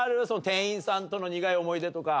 店員さんとの苦い思い出とか。